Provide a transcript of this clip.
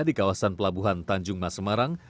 di kawasan pelabuhan tanjung mas semarang